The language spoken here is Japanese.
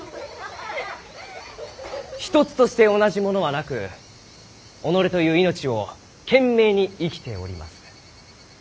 一つとして同じものはなく己という命を懸命に生きております。